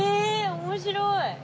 面白い！